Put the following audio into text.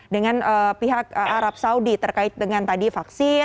dengan pihak arab saudi terkait dengan tadi vaksin